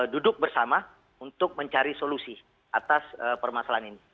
duduk bersama untuk mencari solusi atas permasalahan ini